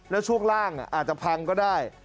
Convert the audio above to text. แล้วช่วงล่างอาจจะพังก็ได้